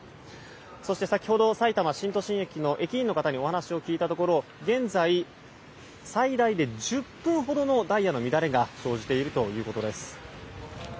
そして、先ほどさいたま新都心駅の駅員の方にお話を聞いたところ現在、最大で１０分ほどのダイヤの乱れが生じているということです。